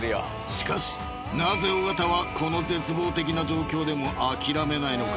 ［しかしなぜ尾形はこの絶望的な状況でも諦めないのか？